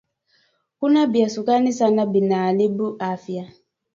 Kula bya sukari sana bina aribu afya